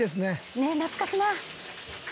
ねえ懐かしいな！